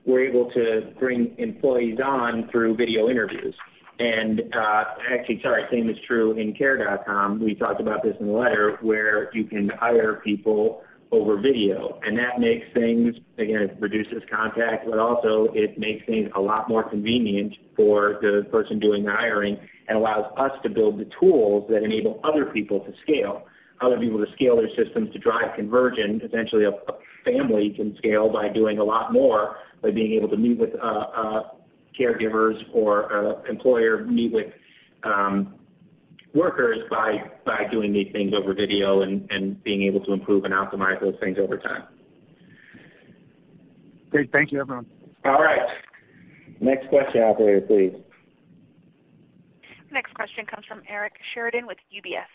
We're able to bring employees on through video interviews. Actually, sorry, same is true in Care.com. We talked about this in the letter, where you can hire people over video, and that makes things, again, it reduces contact, but also it makes things a lot more convenient for the person doing the hiring and allows us to build the tools that enable other people to scale. Other people to scale their systems to drive conversion, essentially a family can scale by doing a lot more by being able to meet with caregivers or employer meet with workers by doing these things over video and being able to improve and optimize those things over time. Great. Thank you, everyone. All right. Next question operator, please. Next question comes from Eric Sheridan with UBS.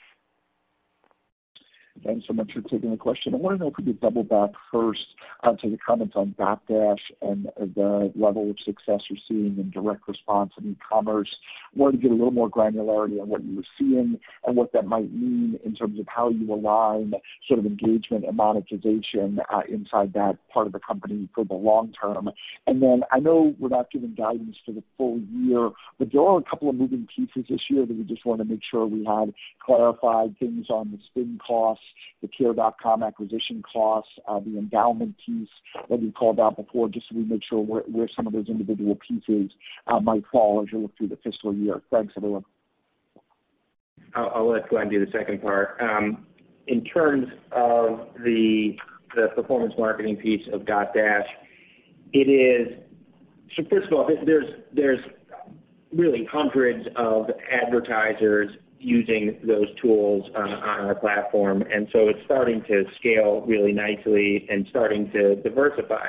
Thanks so much for taking the question. I want to know if you could double back first to the comments on Dotdash and the level of success you're seeing in direct response in e-commerce. Wanted to get a little more granularity on what you were seeing and what that might mean in terms of how you align sort of engagement and monetization inside that part of the company for the long term. I know we're not giving guidance for the full year, but there are a couple of moving pieces this year that we just want to make sure we had clarified things on the spin costs, the Care.com acquisition costs, the endowment piece that we called out before, just so we make sure where some of those individual pieces might fall as we look through the fiscal year. Thanks everyone. I'll let Glenn do the second part. In terms of the performance marketing piece of Dotdash, first of all, there's really hundreds of advertisers using those tools on our platform. It's starting to scale really nicely and starting to diversify.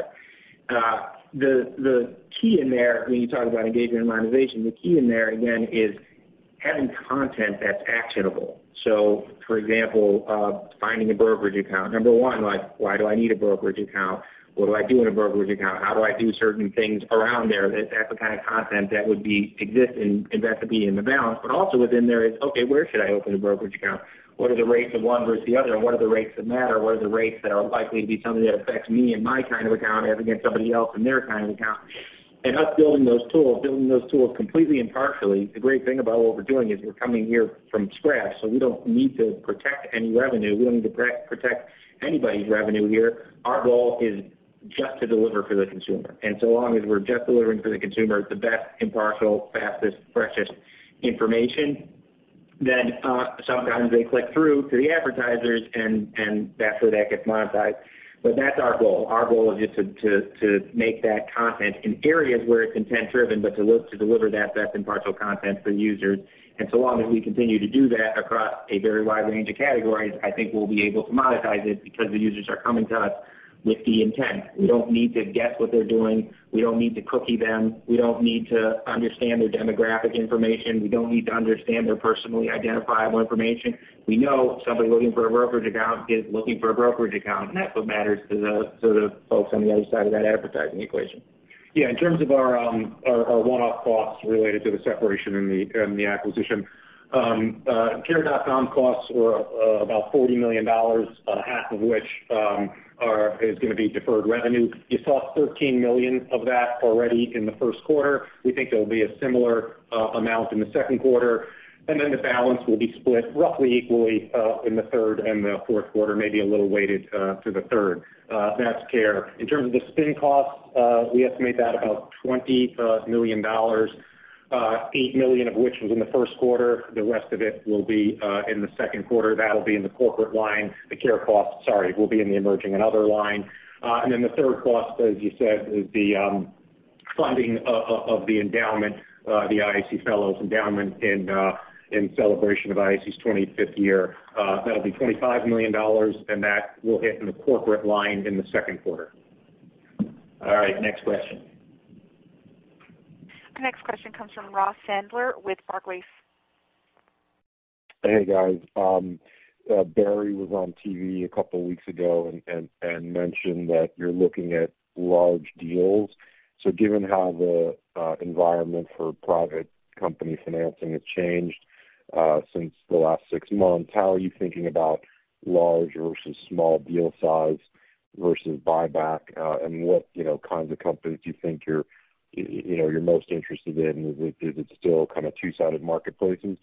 When you talk about engagement and monetization, the key in there again is having content that's actionable. For example, finding a brokerage account. Number one, why do I need a brokerage account? What do I do in a brokerage account? How do I do certain things around there? That's the kind of content that would exist and that could be in The Balance. Also within there is, okay, where should I open a brokerage account? What are the rates of one versus the other? What are the rates that matter? What are the rates that are likely to be something that affects me and my kind of account as against somebody else and their kind of account? Us building those tools, building those tools completely impartially, the great thing about what we're doing is we're coming here from scratch, so we don't need to protect any revenue. We don't need to protect anybody's revenue here. Our goal is just to deliver for the consumer, and so long as we're just delivering for the consumer the best impartial, fastest, freshest information, then sometimes they click through to the advertisers and that's where that gets monetized. That's our goal. Our goal is just to make that content in areas where it's content-driven, but to look to deliver that best impartial content for users. Long as we continue to do that across a very wide range of categories, I think we'll be able to monetize it because the users are coming to us with the intent. We don't need to guess what they're doing. We don't need to cookie them. We don't need to understand their demographic information. We don't need to understand their personally identifiable information. We know somebody looking for a brokerage account is looking for a brokerage account. That's what matters to the folks on the other side of that advertising equation. Yeah, in terms of our one-off costs related to the separation and the acquisition. Care.com costs were about $40 million, half of which is going to be deferred revenue. You saw $13 million of that already in the first quarter. We think there'll be a similar amount in the second quarter, and then the balance will be split roughly equally in the third and the fourth quarter, maybe a little weighted to the third. That's Care. In terms of the spin costs, we estimate that about $20 million, $8 million of which was in the first quarter. The rest of it will be in the second quarter. That'll be in the corporate line. The Care cost, sorry, will be in the emerging and other line. The third cost, as you said, is the funding of the endowment, the IAC fellows endowment in celebration of IAC's 25th year. That'll be $25 million, and that will hit in the corporate line in the second quarter. All right. Next question. Next question comes from Ross Sandler with Barclays. Hey, guys. Barry was on TV two weeks ago and mentioned that you're looking at large deals. Given how the environment for private company financing has changed since the last six months, how are you thinking about large versus small deal size versus buyback? What kinds of companies do you think you're most interested in? Is it still kind of two-sided marketplaces?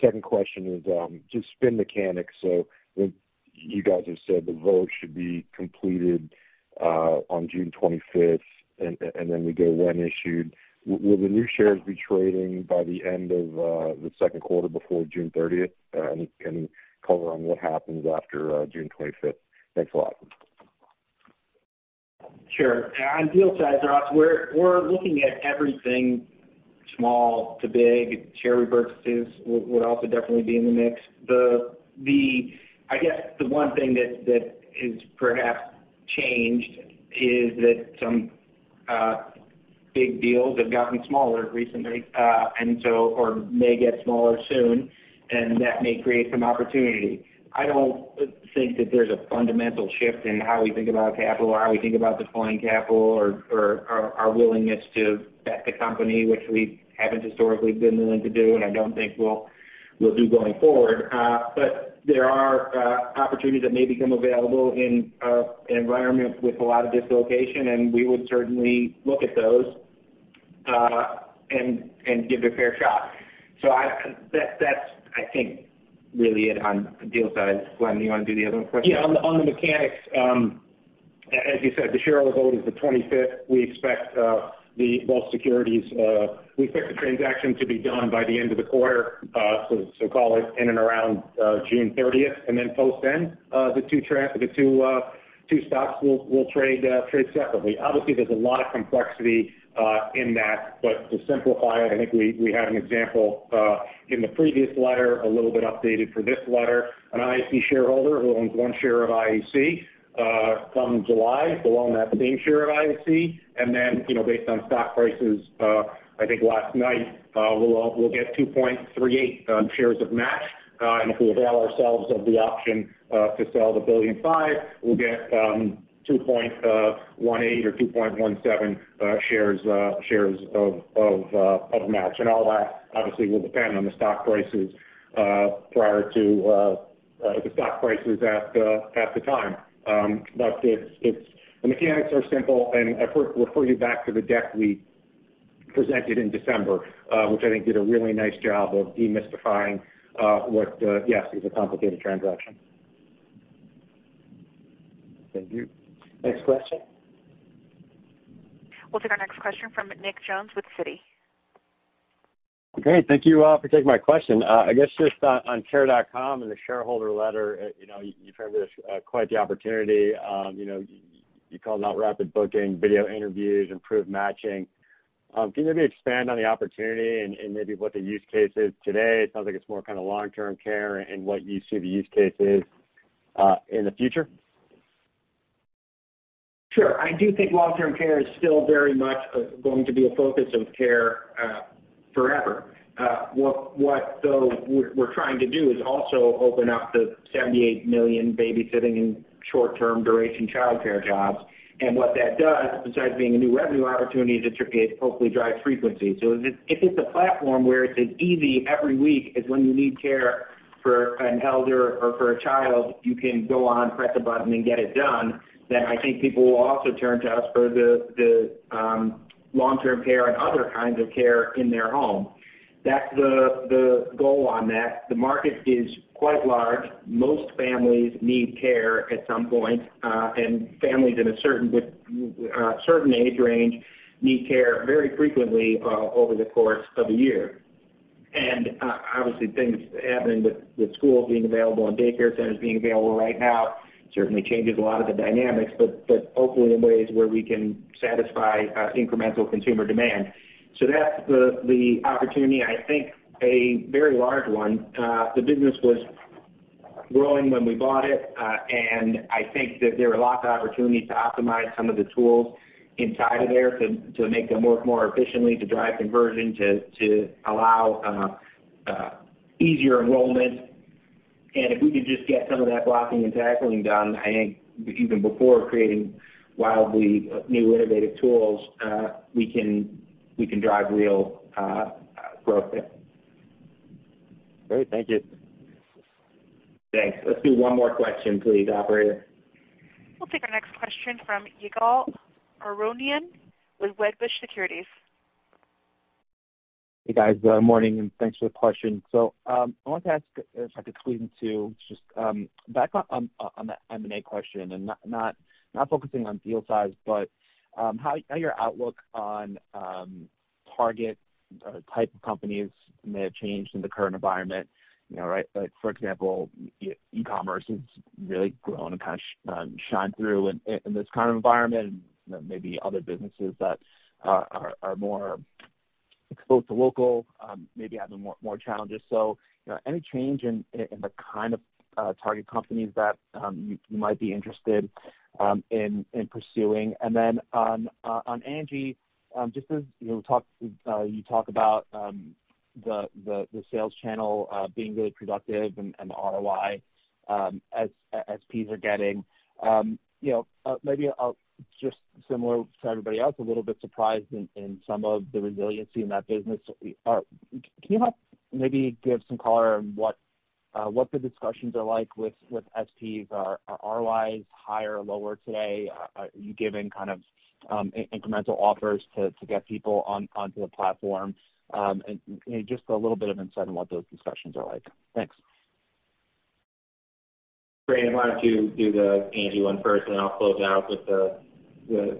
Second question is just spin mechanics. You guys have said the vote should be completed on June 25th, and then we go when issued. Will the new shares be trading by the end of the second quarter before June 30th? Any color on what happens after June 25th? Thanks a lot. Sure. On deal size, Ross, we're looking at everything small to big. Share repurchases would also definitely be in the mix. I guess the one thing that has perhaps changed is that some big deals have gotten smaller recently, or may get smaller soon, and that may create some opportunity. I don't think that there's a fundamental shift in how we think about capital or how we think about deploying capital or our willingness to bet the company, which we haven't historically been willing to do, and I don't think we'll do going forward. There are opportunities that may become available in an environment with a lot of dislocation, and we would certainly look at those and give it a fair shot. That's, I think, really it on deal size. Glenn, you want to do the other question? Yeah, on the mechanics. You said, the shareholder vote is the 25th. We expect the transaction to be done by the end of the quarter, call it in and around June 30th. Post then, the two stocks will trade separately. Obviously, there's a lot of complexity in that. To simplify it, I think we had an example in the previous letter, a little bit updated for this letter. An IAC shareholder who owns one share of IAC come July will own that same share of IAC, based on stock prices, I think last night, will get 2.38 shares of Match. If we avail ourselves of the option to sell the $1.5 billion, we'll get 2.18 or 2.17 shares of Match. All that obviously will depend on the stock prices prior to the stock prices at the time. The mechanics are simple, and I refer you back to the deck we presented in December, which I think did a really nice job of demystifying what, yes, is a complicated transaction. Thank you. Next question. We'll take our next question from Nick Jones with Citi. Great. Thank you for taking my question. I guess just on Care.com and the shareholder letter, you frame this quite the opportunity. You called out rapid booking, video interviews, improved matching. Can you maybe expand on the opportunity and maybe what the use case is today? It sounds like it's more kind of long-term care and what you see the use case is in the future. Sure. I do think long-term care is still very much going to be a focus of care forever. What though we're trying to do is also open up the 78 million babysitting and short-term duration childcare jobs. What that does, besides being a new revenue opportunity, is it hopefully drives frequency. If it's a platform where it's as easy every week as when you need care for an elder or for a child, you can go on, press a button and get it done, then I think people will also turn to us for the long-term care and other kinds of care in their home. That's the goal on that. The market is quite large. Most families need care at some point, and families in a certain age range need care very frequently over the course of a year. Obviously, things happening with schools being available and daycare centers being available right now certainly changes a lot of the dynamics, but hopefully in ways where we can satisfy incremental consumer demand. That's the opportunity. I think a very large one. The business was growing when we bought it, and I think that there are lots of opportunities to optimize some of the tools inside of there to make them work more efficiently, to drive conversion, to allow easier enrollment. If we could just get some of that blocking and tackling done, I think even before creating wildly new innovative tools, we can drive real growth there. Great. Thank you. Thanks. Let's do one more question, please, operator. We'll take our next question from Ygal Arounian with Wedbush Securities. Hey, guys. Morning, and thanks for the question. I wanted to ask, if I could squeeze in two, just back on the M&A question, and not focusing on deal size, but how your outlook on target type of companies may have changed in the current environment. For example, e-commerce has really grown and kind of shined through in this kind of environment, and maybe other businesses that are more exposed to local, maybe having more challenges. Any change in the kind of target companies that you might be interested in pursuing? On ANGI, just as you talk about the sales channel being really productive and the ROI SPs are getting, maybe just similar to everybody else, a little bit surprised in some of the resiliency in that business. Can you help maybe give some color on what the discussions are like with SPs? Are ROIs higher or lower today? Are you giving kind of incremental offers to get people onto the platform? Just a little bit of insight on what those discussions are like. Thanks. Brandon, why don't you do the ANGI one first, and I'll close out with the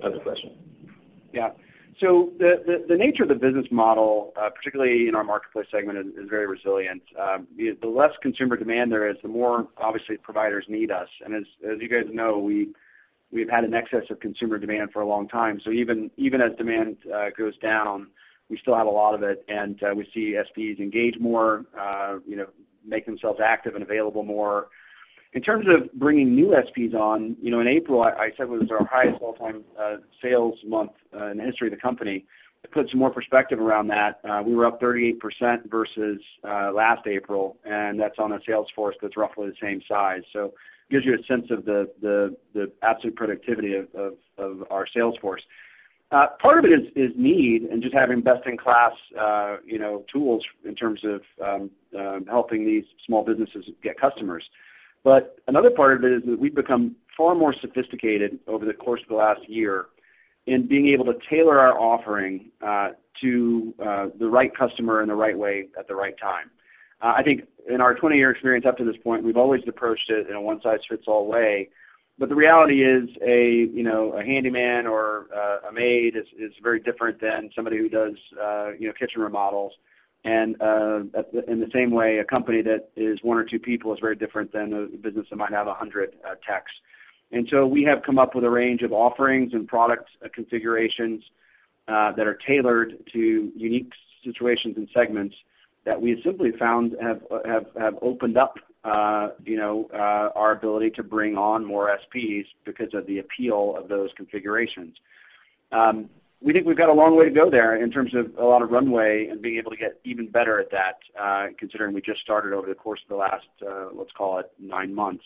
other question. Yeah. The nature of the business model, particularly in our Marketplace segment, is very resilient. The less consumer demand there is, the more obviously providers need us. As you guys know, we've had an excess of consumer demand for a long time. Even as demand goes down, we still have a lot of it, and we see SPs engage more, make themselves active and available more. In terms of bringing new SPs on, in April, I said it was our highest all-time sales month in the history of the company. To put some more perspective around that, we were up 38% versus last April, and that's on a sales force that's roughly the same size. Gives you a sense of the absolute productivity of our sales force. Part of it is need and just having best-in-class tools in terms of helping these small businesses get customers. Another part of it is that we've become far more sophisticated over the course of the last year. In being able to tailor our offering to the right customer in the right way at the right time. I think in our 20 year experience up to this point, we've always approached it in a one-size-fits-all way. The reality is a handyman or a maid is very different than somebody who does kitchen remodels. In the same way, a company that is one or two people is very different than a business that might have 100 techs. We have come up with a range of offerings and product configurations that are tailored to unique situations and segments that we have simply found have opened up our ability to bring on more SPs because of the appeal of those configurations. We think we've got a long way to go there in terms of a lot of runway and being able to get even better at that, considering we just started over the course of the last, let's call it nine months.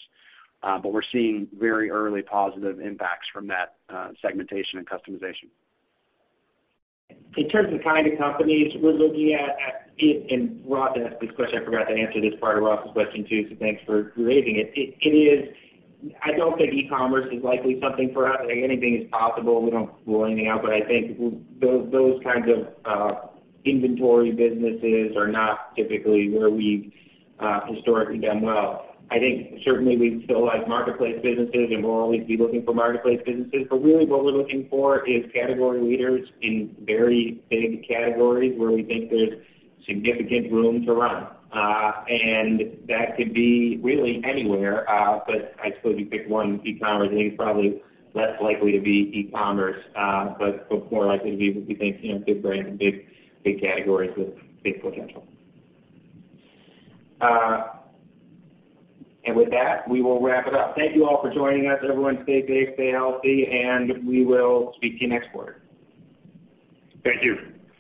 We're seeing very early positive impacts from that segmentation and customization. In terms of the kind of companies we're looking at, and Ross asked this question, I forgot to answer this part of Ross question, too, so thanks for raising it. I don't think e-commerce is likely something for us. Anything is possible. We don't rule anything out. I think those kinds of inventory businesses are not typically where we've historically done well. I think certainly we still like marketplace businesses, and we'll always be looking for marketplace businesses. Really what we're looking for is category leaders in very big categories where we think there's significant room to run. That could be really anywhere, but I suppose if you pick one, e-commerce is probably less likely to be e-commerce, but more likely to be what we think big brands in big categories with big potential. With that, we will wrap it up. Thank you all for joining us. Everyone stay safe, stay healthy. We will speak to you next quarter. Thank you.